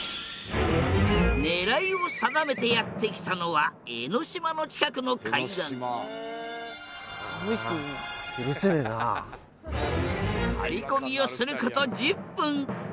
狙いを定めてやって来たのは江ノ島の近くの海岸張り込みをすること１０分。